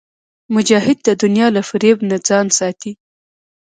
مجاهد د دنیا له فریب نه ځان ساتي.